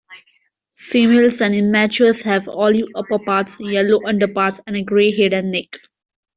Females and immatures have olive upperparts, yellow underparts and a grey head and neck.